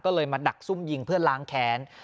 ก็เลยมาดักซุ่มยิงเพื่อล้างแค้น